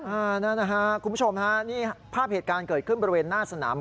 คุณผู้ชมภาพเหตุการณ์เกิดขึ้นบริเวณหน้าสนาม